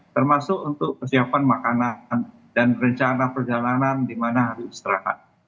termasuk untuk kesiapan makanan dan rencana perjalanan di mana harus istirahat